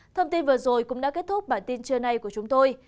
thông tin vừa rồi cũng đã kết thúc bản tin trưa nay của chúng tôi